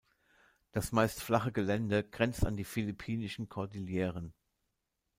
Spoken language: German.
Das meist flache Gelände grenzt an die philippinischen Kordilleren.